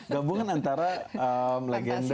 gabungan antara legenda dengan